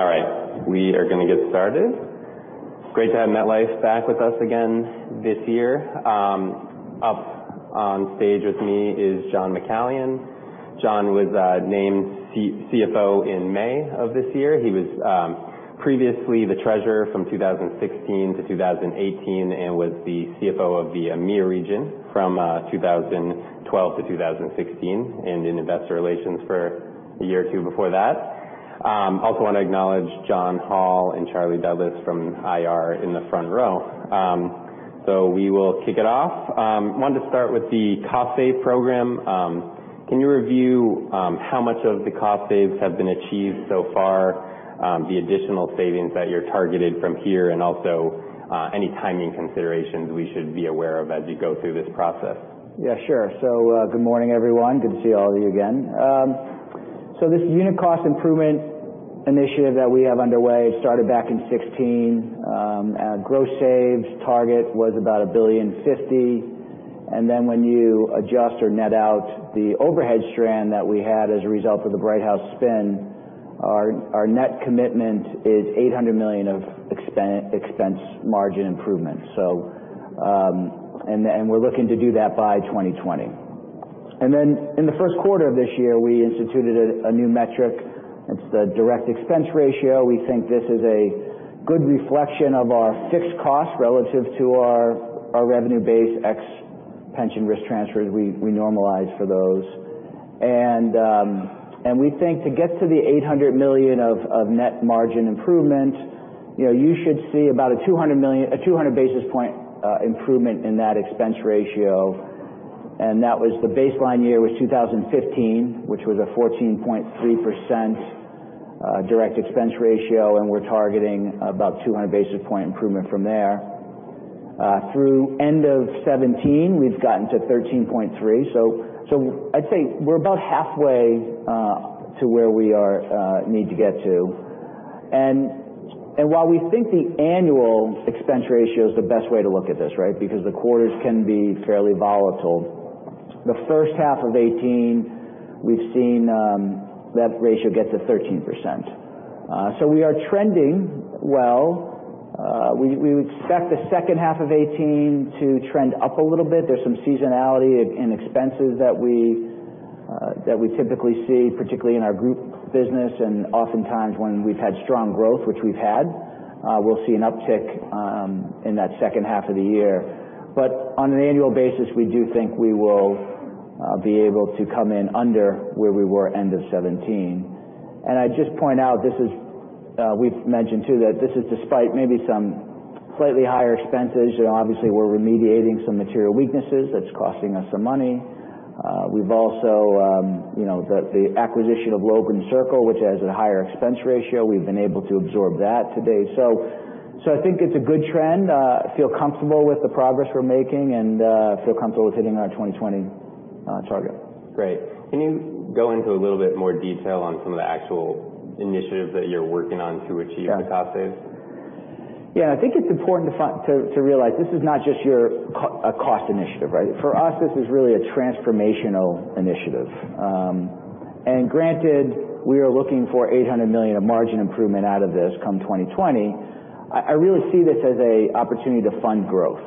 All right. We are going to get started. It's great to have MetLife back with us again this year. Up on stage with me is John McCallion. John was named CFO in May of this year. He was previously the treasurer from 2016 to 2018 and was the CFO of the EMEA region from 2012 to 2016, and in investor relations for a year or two before that. I also want to acknowledge John Hall and Charlie Douglas from IR in the front row. We will kick it off. I wanted to start with the cost save program. Can you review how much of the cost saves have been achieved so far, the additional savings that you're targeted from here, and also any timing considerations we should be aware of as you go through this process? Yeah, sure. Good morning, everyone. Good to see all of you again. This unit cost improvement initiative that we have underway started back in 2016. Gross saves target was about $1.05 billion, and then when you adjust or net out the stranded overhead that we had as a result of the Brighthouse Financial spin, our net commitment is $800 million of expense margin improvement. We're looking to do that by 2020. In the first quarter of this year, we instituted a new metric. It's the direct expense ratio. We think this is a good reflection of our fixed cost relative to our revenue base ex pension risk transfers. We normalize for those. We think to get to the $800 million of net margin improvement, you should see about a 200 basis point improvement in that expense ratio. The baseline year was 2015, which was a 14.3% direct expense ratio, we're targeting about 200 basis point improvement from there. Through end of 2017, we've gotten to 13.3%, so I'd say we're about halfway to where we need to get to. While we think the annual expense ratio is the best way to look at this, right, because the quarters can be fairly volatile, the first half of 2018, we've seen that ratio get to 13%. We are trending well. We would expect the second half of 2018 to trend up a little bit. There's some seasonality in expenses that we typically see, particularly in our group business, and oftentimes when we've had strong growth, which we've had, we'll see an uptick in that second half of the year. On an annual basis, we do think we will be able to come in under where we were end of 2017. I'd just point out, we've mentioned too, that this is despite maybe some slightly higher expenses. Obviously, we're remediating some material weaknesses that's costing us some money. The acquisition of Logan Circle, which has a higher expense ratio, we've been able to absorb that today. I think it's a good trend. I feel comfortable with the progress we're making and feel comfortable with hitting our 2020 target. Great. Can you go into a little bit more detail on some of the actual initiatives that you're working on to achieve the cost saves? Yeah. I think it's important to realize this is not just your cost initiative, right? For us, this is really a transformational initiative. Granted, we are looking for $800 million of margin improvement out of this come 2020. I really see this as an opportunity to fund growth.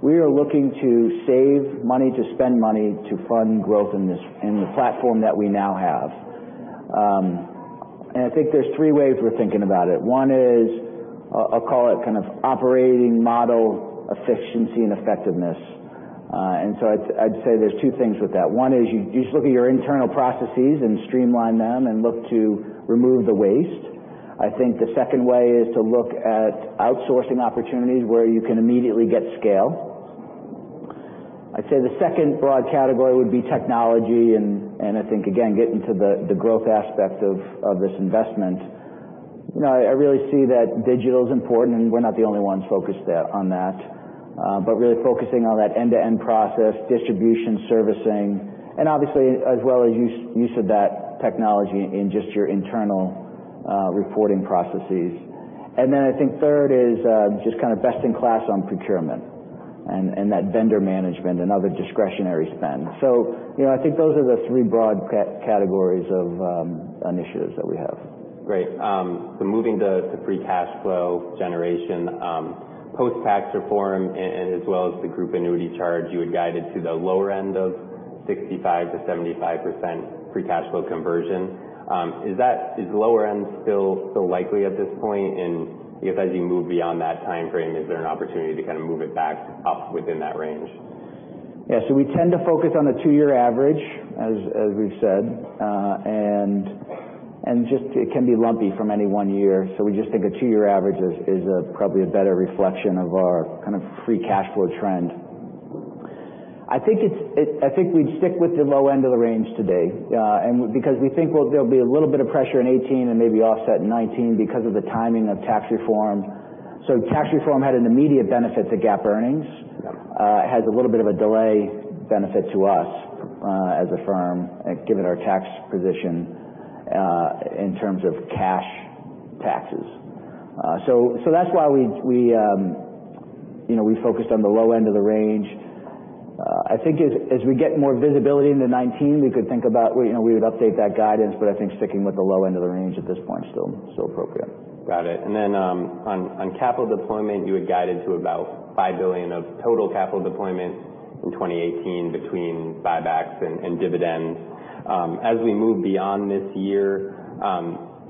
We are looking to save money, to spend money, to fund growth in the platform that we now have. I think there's three ways we're thinking about it. One is, I'll call it kind of operating model efficiency and effectiveness. I'd say there's two things with that. One is you just look at your internal processes and streamline them and look to remove the waste. I think the second way is to look at outsourcing opportunities where you can immediately get scale. I'd say the second broad category would be technology. I think, again, getting to the growth aspect of this investment. I really see that digital's important. We're not the only ones focused on that. Really focusing on that end-to-end process, distribution, servicing, as well as use of that technology in just your internal reporting processes. Then I think third is just kind of best in class on procurement and that vendor management and other discretionary spend. I think those are the three broad categories of initiatives that we have. Great. Moving to free cash flow generation. Post tax reform as well as the group annuity charge, you had guided to the lower end of 65%-75% free cash flow conversion. Is lower end still likely at this point? As you move beyond that time frame, is there an opportunity to kind of move it back up within that range? We tend to focus on the two-year average, as we've said, and it can be lumpy from any one year. We just think a two-year average is probably a better reflection of our kind of free cash flow trend. I think we'd stick with the low end of the range today because we think there'll be a little bit of pressure in 2018 and maybe offset in 2019 because of the timing of tax reform. Tax reform had an immediate benefit to GAAP earnings. Yep. It has a little bit of a delay benefit to us as a firm, given our tax position in terms of cash taxes. That's why we focused on the low end of the range. I think as we get more visibility into 2019, we could think about we would update that guidance, but I think sticking with the low end of the range at this point is still appropriate. Got it. Then on capital deployment, you had guided to about $5 billion of total capital deployment in 2018 between buybacks and dividends. As we move beyond this year,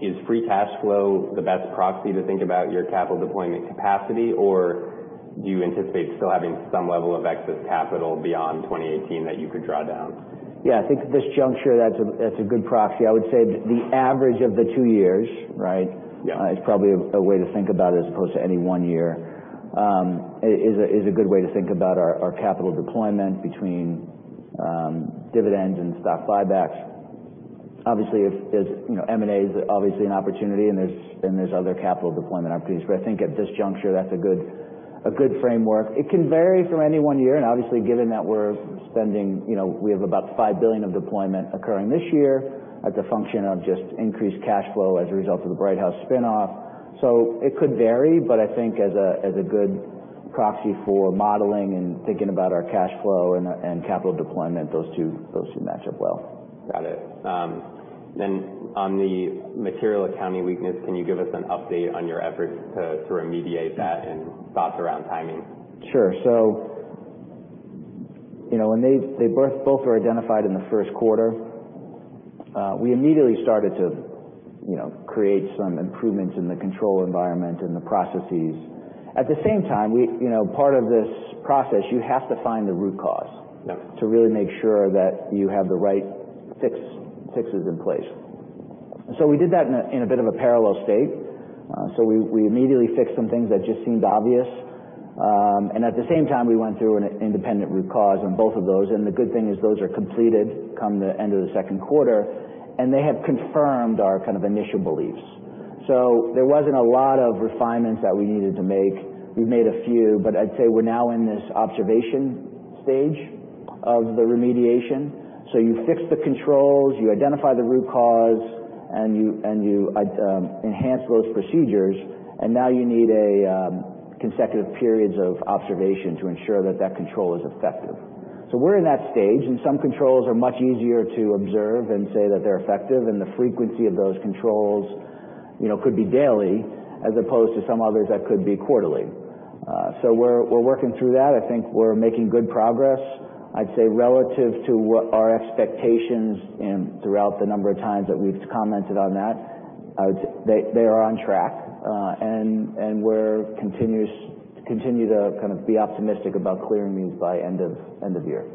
is free cash flow the best proxy to think about your capital deployment capacity, or do you anticipate still having some level of excess capital beyond 2018 that you could draw down? Yeah, I think at this juncture, that's a good proxy. I would say the average of the two years. Yeah is probably a way to think about it as opposed to any one year, is a good way to think about our capital deployment between dividends and stock buybacks. Obviously, M&A is obviously an opportunity, and there is other capital deployment opportunities. I think at this juncture, that's a good framework. It can vary from any one year, and obviously given that we have about $5 billion of deployment occurring this year as a function of just increased cash flow as a result of the Brighthouse spin-off. It could vary, but I think as a good proxy for modeling and thinking about our cash flow and capital deployment, those two match up well. Got it. On the material accounting weakness, can you give us an update on your efforts to remediate that and thoughts around timing? Sure. When they both were identified in the first quarter, we immediately started to create some improvements in the control environment and the processes. At the same time, part of this process, you have to find the root cause- Yeah to really make sure that you have the right fixes in place. We did that in a bit of a parallel state. We immediately fixed some things that just seemed obvious. At the same time, we went through an independent root cause on both of those, and the good thing is those are completed come the end of the second quarter, and they have confirmed our initial beliefs. There was not a lot of refinements that we needed to make. We made a few, but I would say we are now in this observation stage of the remediation. You fix the controls, you identify the root cause, and you enhance those procedures, and now you need a consecutive periods of observation to ensure that that control is effective. We're in that stage, and some controls are much easier to observe and say that they're effective, and the frequency of those controls could be daily, as opposed to some others that could be quarterly. We're working through that. I think we're making good progress. I'd say relative to what our expectations and throughout the number of times that we've commented on that, they are on track. We continue to be optimistic about clearing these by end of year.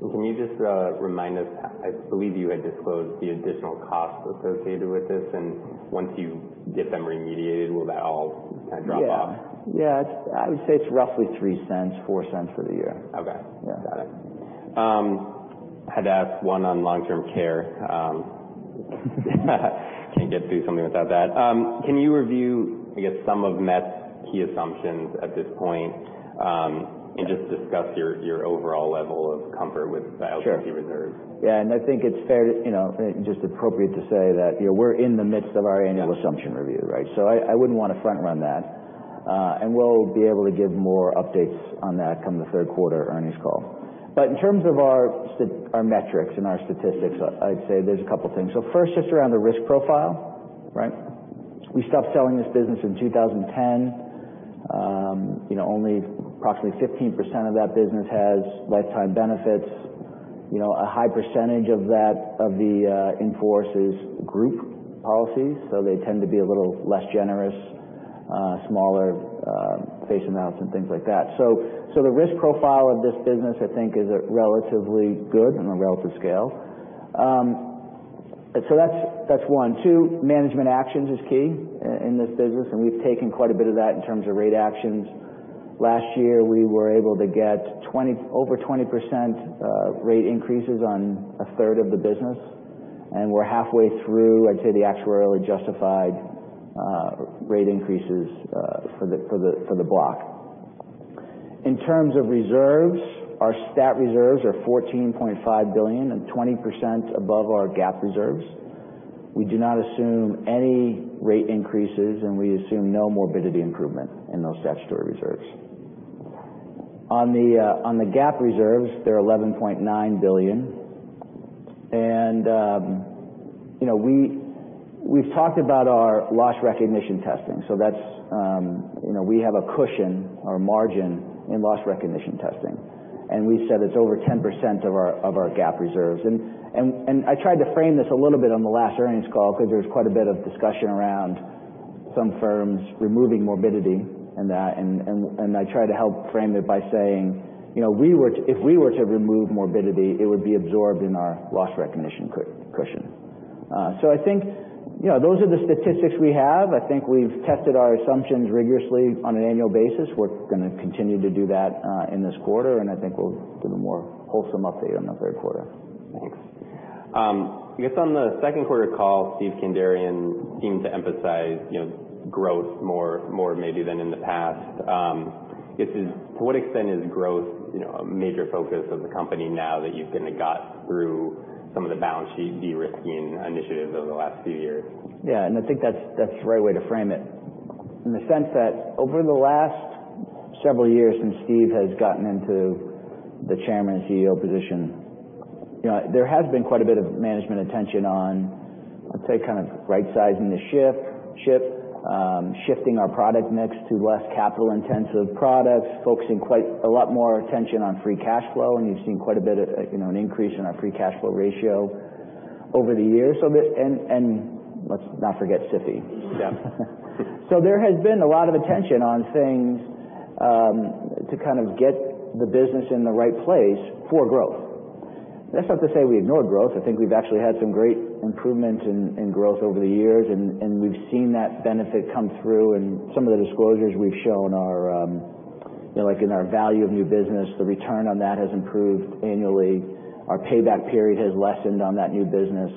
Can you just remind us, I believe you had disclosed the additional cost associated with this, and once you get them remediated, will that all drop off? Yeah. I would say it's roughly $0.03, $0.04 for the year. Okay. Yeah. Got it. Had to ask one on long-term care. Can't get through something without that. Can you review, I guess, some of Met's key assumptions at this point. Yeah just discuss your overall level of comfort with the LTC reserves? Sure. Yeah, I think it's fair, just appropriate to say that we're in the midst of our annual assumption review, right? I wouldn't want to front-run that. We'll be able to give more updates on that come the third quarter earnings call. In terms of our metrics and our statistics, I'd say there's a couple things. First, just around the risk profile, right? We stopped selling this business in 2010. Only approximately 15% of that business has lifetime benefits. A high percentage of the in-forces group policies, so they tend to be a little less generous, smaller face amounts and things like that. The risk profile of this business I think is relatively good on a relative scale. That's one. Two, management actions is key in this business, and we've taken quite a bit of that in terms of rate actions. Last year, we were able to get over 20% rate increases on a third of the business, and we're halfway through, I'd say, the actuarially justified rate increases for the block. In terms of reserves, our stat reserves are $14.5 billion and 20% above our GAAP reserves. We do not assume any rate increases, and we assume no morbidity improvement in those statutory reserves. On the GAAP reserves, they're $11.9 billion, and we've talked about our loss recognition testing. We have a cushion or margin in loss recognition testing. We said it's over 10% of our GAAP reserves. I tried to frame this a little bit on the last earnings call because there's quite a bit of discussion around some firms removing morbidity and that, and I try to help frame it by saying, if we were to remove morbidity, it would be absorbed in our loss recognition cushion. I think those are the statistics we have. I think we've tested our assumptions rigorously on an annual basis. We're going to continue to do that in this quarter, and I think we'll give a more wholesome update on the third quarter. Thanks. I guess on the second quarter call, Steven Kandarian seemed to emphasize growth more maybe than in the past. To what extent is growth a major focus of the company now that you've kind of got through some of the balance sheet de-risking initiatives over the last few years? Yeah, I think that's the right way to frame it in the sense that over the last several years since Steve has gotten into the chairman and CEO position, there has been quite a bit of management attention on, let's say, right-sizing the ship, shifting our product mix to less capital-intensive products, focusing quite a lot more attention on free cash flow, and you've seen quite a bit of an increase in our free cash flow ratio over the years. Let's not forget SIFI. Yeah. There has been a lot of attention on things to kind of get the business in the right place for growth. That's not to say we ignored growth. I think we've actually had some great improvement in growth over the years, and we've seen that benefit come through in some of the disclosures we've shown, like in our value of new business, the return on that has improved annually. Our payback period has lessened on that new business.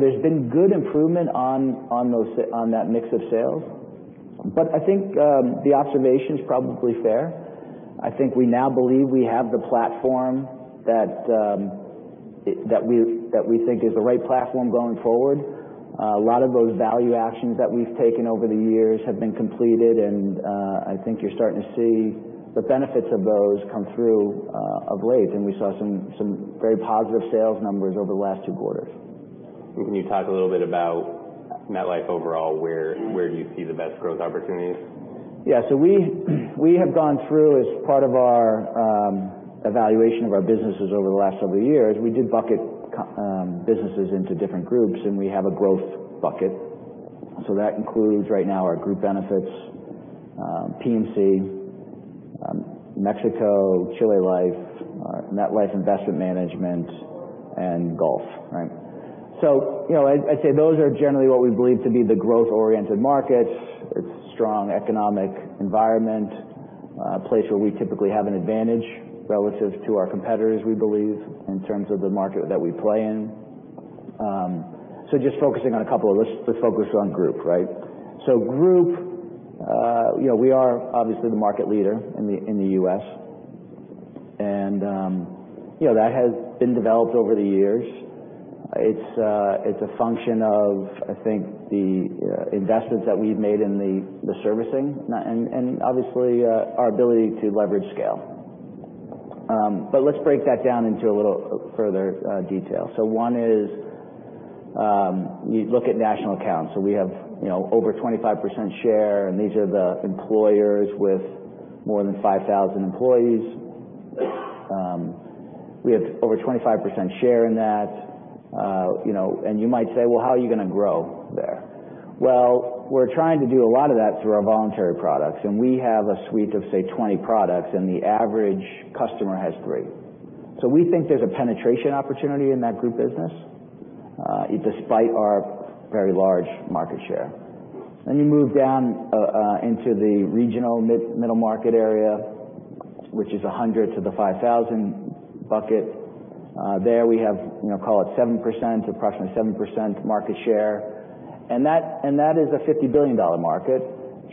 There's been good improvement on that mix of sales. I think the observation's probably fair. I think we now believe we have the platform that we think is the right platform going forward. A lot of those value actions that we've taken over the years have been completed, I think you're starting to see the benefits of those come through of late, and we saw some very positive sales numbers over the last two quarters. Can you talk a little bit about MetLife overall, where do you see the best growth opportunities? Yeah. We have gone through as part of our evaluation of our businesses over the last several years, we did bucket businesses into different groups, we have a growth bucket. That includes right now our group benefits, P&C, Mexico, Chile Life, MetLife Investment Management, and Gulf. Right. I'd say those are generally what we believe to be the growth-oriented markets. It's a strong economic environment, a place where we typically have an advantage relative to our competitors, we believe, in terms of the market that we play in. Just focusing on a couple of those, let's focus on group. Group, we are obviously the market leader in the U.S., that has been developed over the years. It's a function of, I think, the investments that we've made in the servicing, obviously our ability to leverage scale. Let's break that down into a little further detail. One is you look at national accounts. We have over 25% share, these are the employers with more than 5,000 employees. We have over 25% share in that. You might say, "Well, how are you going to grow there?" Well, we're trying to do a lot of that through our voluntary products, we have a suite of, say, 20 products, the average customer has three. We think there's a penetration opportunity in that group business despite our very large market share. You move down into the regional middle market area, which is 100 to the 5,000 bucket. There we have, call it 7%, approximately 7% market share. That is a $50 billion market.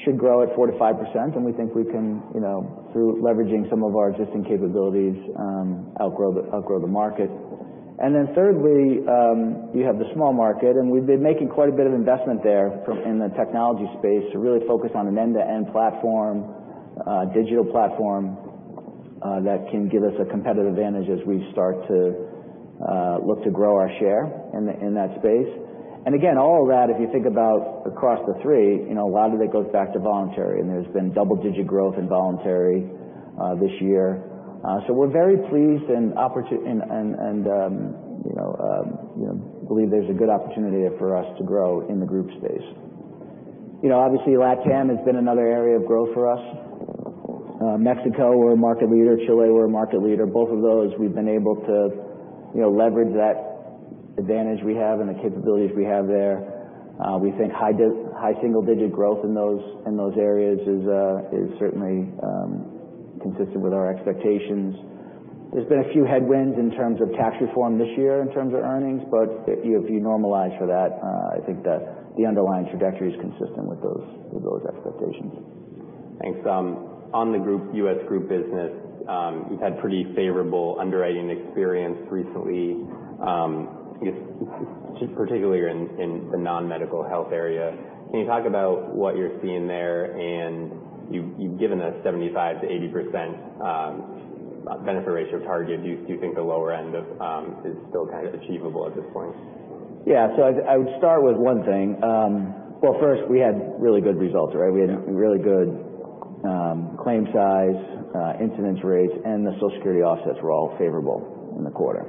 Should grow at 4%-5%, we think we can, through leveraging some of our existing capabilities, outgrow the market. Thirdly, you have the small market, we've been making quite a bit of investment there in the technology space to really focus on an end-to-end platform, digital platform that can give us a competitive advantage as we start to look to grow our share in that space. Again, all of that, if you think about across the three, a lot of it goes back to voluntary, there's been double-digit growth in voluntary this year. We're very pleased and believe there's a good opportunity for us to grow in the group space. Obviously, LatAm has been another area of growth for us. Mexico, we're a market leader. Chile, we're a market leader. Both of those, we've been able to leverage that advantage we have and the capabilities we have there. We think high single-digit growth in those areas is certainly consistent with our expectations. There's been a few headwinds in terms of tax reform this year in terms of earnings. If you normalize for that, I think the underlying trajectory is consistent with those expectations. Thanks. On the U.S. group business, you've had pretty favorable underwriting experience recently, just particularly in the non-medical health area. Can you talk about what you're seeing there? You've given a 75%-80% benefit ratio target. Do you think the lower end is still kind of achievable at this point? Yeah, I would start with one thing. Well, first, we had really good results, right? We had really good claim size, incidence rates, and the Social Security offsets were all favorable in the quarter.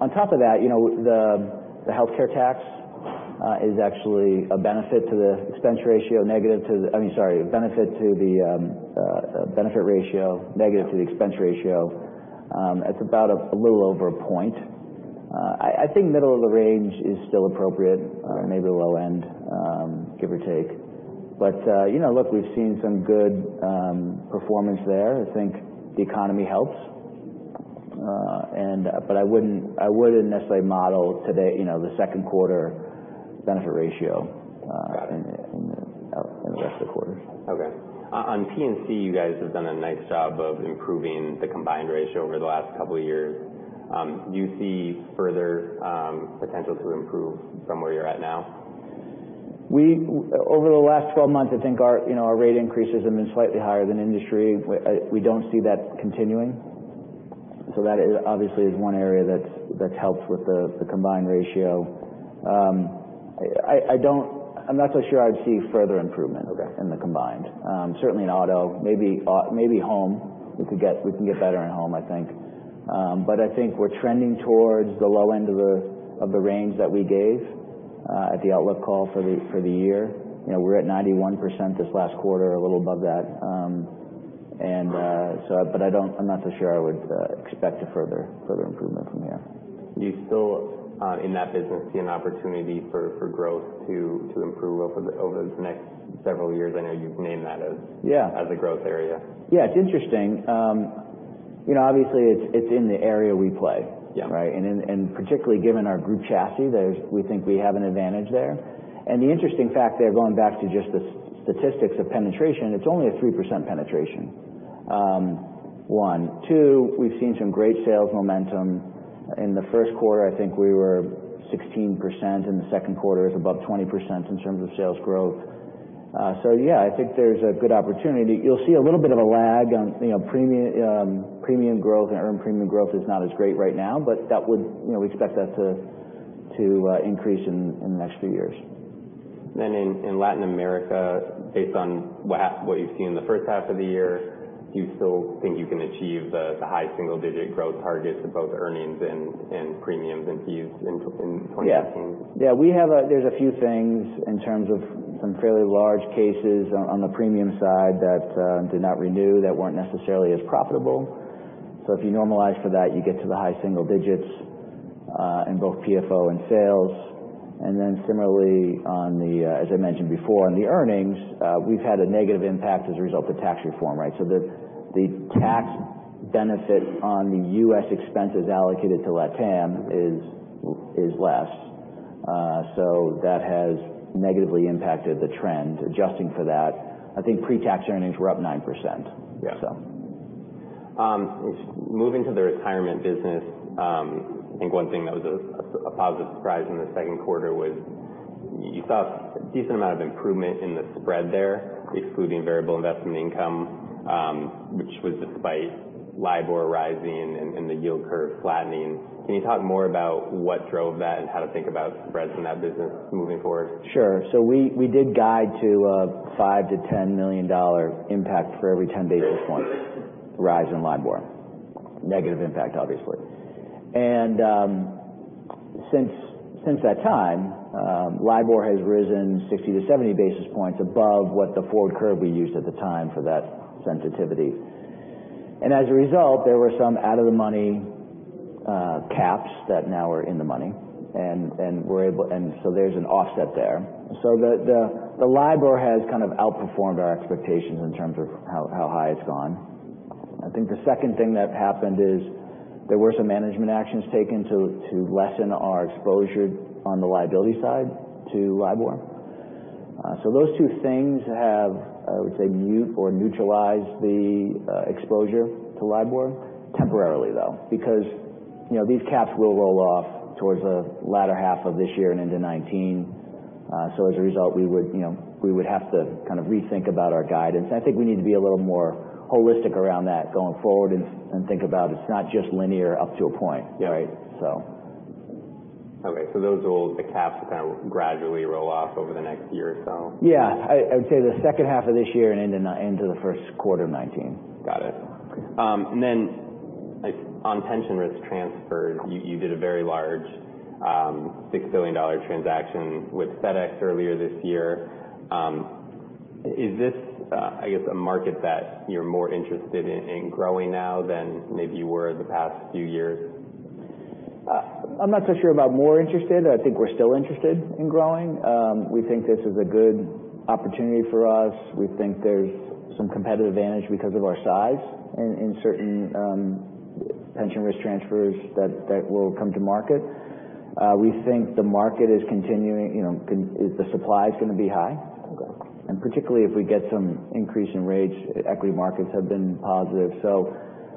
On top of that, the healthcare tax is actually a benefit to the expense ratio, negative to the, I mean, sorry, a benefit to the benefit ratio, negative to the expense ratio. It's about a little over a point. I think middle of the range is still appropriate maybe low end give or take. Look, we've seen some good performance there. I think the economy helps. I wouldn't necessarily model the second quarter benefit ratio- Got it in the rest of the quarters. Okay. On P&C, you guys have done a nice job of improving the combined ratio over the last couple of years. Do you see further potential to improve from where you're at now? Over the last 12 months, I think our rate increases have been slightly higher than industry. We don't see that continuing. That obviously is one area that's helped with the combined ratio. I'm not so sure I'd see further improvement. Okay in the combined. Certainly in auto, maybe home. We can get better in home, I think. I think we're trending towards the low end of the range that we gave at the outlook call for the year. We're at 91% this last quarter, a little above that. I'm not so sure I would expect a further improvement from here. Do you still, in that business, see an opportunity for growth to improve over the next several years? I know you've named that. Yeah A growth area. Yeah. It's interesting. Obviously, it's in the area we play. Yeah. Right? Particularly given our group chassis, we think we have an advantage there. The interesting fact there, going back to just the statistics of penetration, it's only a 3% penetration. One. Two, we've seen some great sales momentum. In the first quarter, I think we were 16%, in the second quarter it's above 20% in terms of sales growth. Yeah, I think there's a good opportunity. You'll see a little bit of a lag on premium growth and earned premium growth is not as great right now, but we expect that to increase in the next few years. In Latin America, based on what you've seen in the first half of the year, do you still think you can achieve the high single-digit growth targets in both earnings and premiums and fees in 2018? Yeah. There's a few things in terms of some fairly large cases on the premium side that did not renew, that weren't necessarily as profitable. If you normalize for that, you get to the high single digits, in both PFO and sales. Similarly, as I mentioned before on the earnings, we've had a negative impact as a result of tax reform, right? The tax benefit on the U.S. expenses allocated to LatAm is less. That has negatively impacted the trend. Adjusting for that, I think pre-tax earnings were up 9%. Yeah. So. Moving to the retirement business, I think one thing that was a positive surprise in the second quarter was you saw a decent amount of improvement in the spread there, excluding variable investment income, which was despite LIBOR rising and the yield curve flattening. Can you talk more about what drove that and how to think about spreads in that business moving forward? Sure. We did guide to a $5 million-$10 million impact for every 10 basis point rise in LIBOR. Negative impact, obviously. Since that time, LIBOR has risen 60 to 70 basis points above what the forward curve we used at the time for that sensitivity. As a result, there were some out of the money caps that now are in the money. There's an offset there. The LIBOR has kind of outperformed our expectations in terms of how high it's gone. I think the second thing that happened is there were some management actions taken to lessen our exposure on the liability side to LIBOR. Those two things have, I would say, mute or neutralized the exposure to LIBOR temporarily, though. These caps will roll off towards the latter half of this year and into 2019. As a result, we would have to kind of rethink about our guidance. I think we need to be a little more holistic around that going forward and think about it's not just linear up to a point. Yeah. Right? Okay. The caps will kind of gradually roll off over the next year or so? Yeah. I would say the second half of this year and into the first quarter of 2019. Got it. On pension risk transfer, you did a very large $6 billion transaction with FedEx earlier this year. Is this, I guess, a market that you're more interested in growing now than maybe you were the past few years? I'm not so sure about more interested. I think we're still interested in growing. We think this is a good opportunity for us. We think there's some competitive advantage because of our size in certain pension risk transfers that will come to market. We think the supply is going to be high. Okay. Particularly if we get some increase in rates, equity markets have been positive.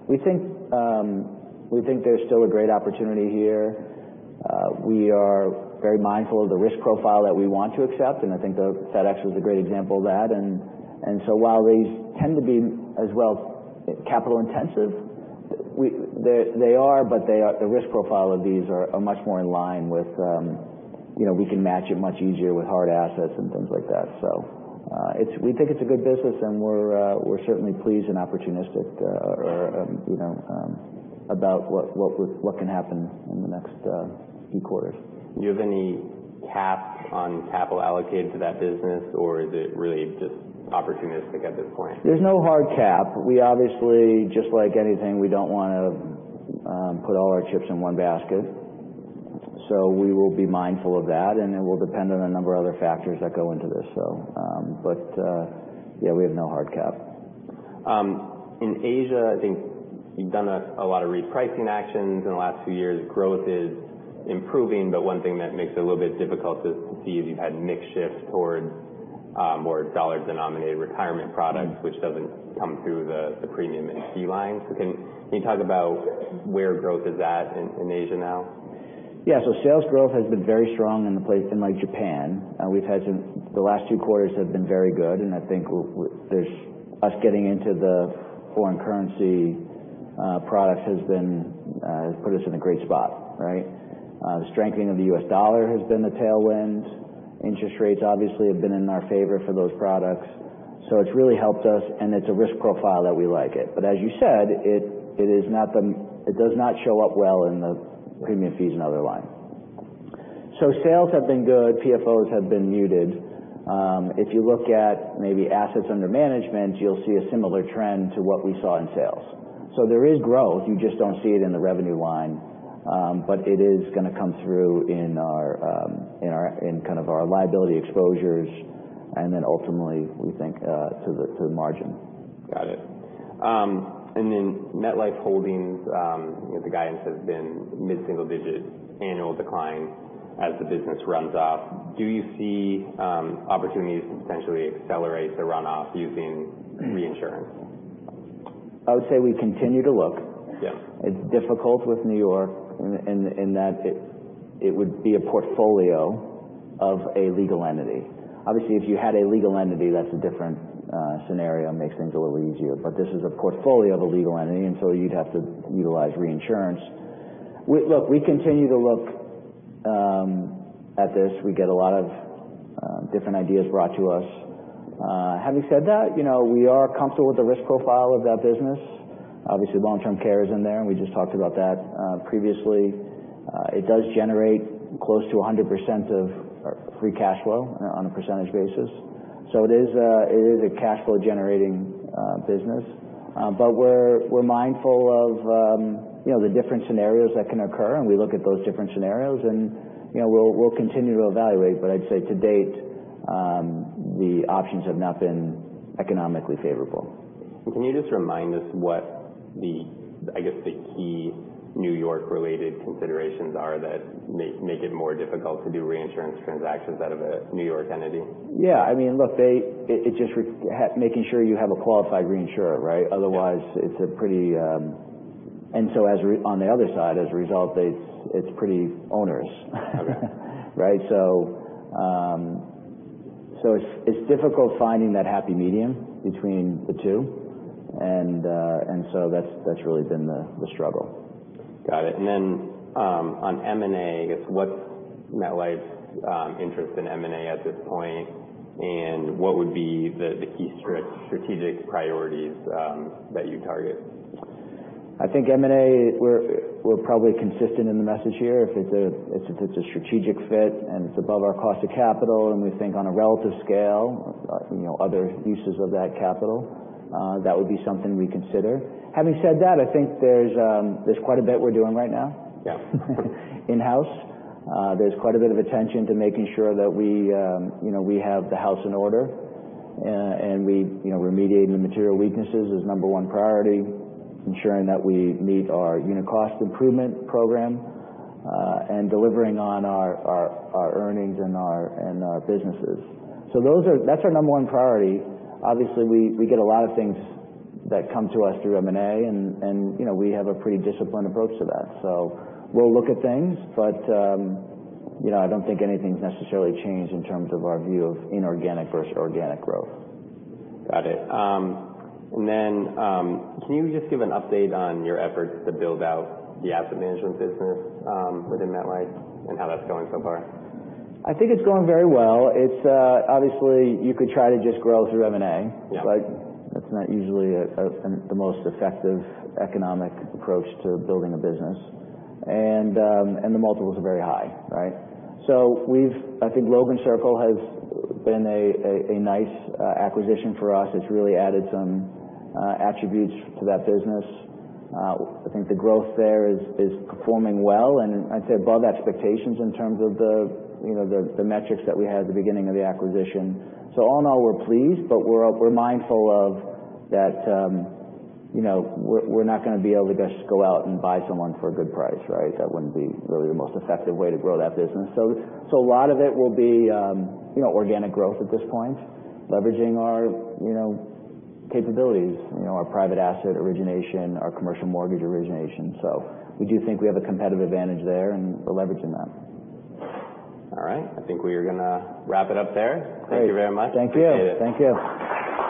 We think there's still a great opportunity here. We are very mindful of the risk profile that we want to accept, and I think FedEx was a great example of that. While these tend to be as well capital intensive, they are, but the risk profile of these are much more in line. We can match it much easier with hard assets and things like that. We think it's a good business and we're certainly pleased and opportunistic about what can happen in the next few quarters. Do you have any caps on capital allocated to that business, or is it really just opportunistic at this point? There's no hard cap. We obviously, just like anything, we don't want to put all our chips in one basket. We will be mindful of that, and it will depend on a number of other factors that go into this. Yeah, we have no hard cap. In Asia, I think you've done a lot of repricing actions in the last few years. Growth is improving, but one thing that makes it a little bit difficult to see is you've had mix shift towards dollar-denominated retirement products, which doesn't come through the premium and fee lines. Can you talk about where growth is at in Asia now? Yeah. Sales growth has been very strong in a place like Japan. The last two quarters have been very good, and I think us getting into the foreign currency products has put us in a great spot. Right? The strengthening of the US dollar has been the tailwind. Interest rates obviously have been in our favor for those products. It's really helped us, and it's a risk profile that we like it. As you said, it does not show up well in the premium, fees, and other line. Sales have been good. PFOs have been muted. If you look at maybe assets under management, you'll see a similar trend to what we saw in sales. There is growth, you just don't see it in the revenue line. It is going to come through in our liability exposures and then ultimately, we think to the margin. Got it. MetLife Holdings, the guidance has been mid-single digit annual decline as the business runs off. Do you see opportunities to potentially accelerate the runoff using reinsurance? I would say we continue to look. Yeah. It's difficult with New York in that it would be a portfolio of a legal entity. Obviously, if you had a legal entity, that's a different scenario, makes things a little easier. This is a portfolio of a legal entity, you'd have to utilize reinsurance. Look, we continue to look at this. We get a lot of different ideas brought to us. Having said that, we are comfortable with the risk profile of that business. Obviously, long-term care is in there, and we just talked about that previously. It does generate close to 100% of free cash flow on a percentage basis. It is a cash flow generating business. We're mindful of the different scenarios that can occur, we look at those different scenarios, and we'll continue to evaluate. I'd say to date, the options have not been economically favorable. Can you just remind us what the key New York-related considerations are that make it more difficult to do reinsurance transactions out of a New York entity? Yeah. Look, it's just making sure you have a qualified reinsurer, right? Otherwise, on the other side, as a result, it's pretty onerous. Okay. Right? It's difficult finding that happy medium between the two, and so that's really been the struggle. Got it. On M&A, I guess, what's MetLife's interest in M&A at this point, and what would be the key strategic priorities that you target? I think M&A, we're probably consistent in the message here. If it's a strategic fit and it's above our cost of capital and we think on a relative scale, other uses of that capital, that would be something we consider. Having said that, I think there's quite a bit we're doing right now- Yeah in-house. There's quite a bit of attention to making sure that we have the house in order, and remediating the material weaknesses is number one priority. Ensuring that we meet our unit cost improvement program, and delivering on our earnings and our businesses. That's our number one priority. Obviously, we get a lot of things that come to us through M&A, and we have a pretty disciplined approach to that. We'll look at things, but I don't think anything's necessarily changed in terms of our view of inorganic versus organic growth. Got it. Can you just give an update on your efforts to build out the asset management business within MetLife and how that's going so far? I think it's going very well. Obviously, you could try to just grow through M&A. Yeah. That's not usually the most effective economic approach to building a business. The multiples are very high, right? I think Logan Circle has been a nice acquisition for us. It's really added some attributes to that business. I think the growth there is performing well, and I'd say above expectations in terms of the metrics that we had at the beginning of the acquisition. All in all, we're pleased, but we're mindful of that we're not going to be able to just go out and buy someone for a good price. That wouldn't be really the most effective way to grow that business. A lot of it will be organic growth at this point, leveraging our capabilities, our private asset origination, our commercial mortgage origination. We do think we have a competitive advantage there, and we're leveraging that. All right. I think we are going to wrap it up there. Great. Thank you very much. Thank you. Appreciate it. Thank you.